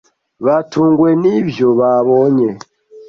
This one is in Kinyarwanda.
Batunguwe nibyo babonye.